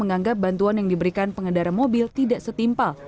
namun orang tua bocah menganggap bantuan yang diberikan pengedara mobil tidak setimpal